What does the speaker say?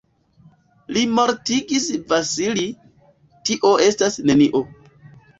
Li mortigis Vasili, tio estas nenio.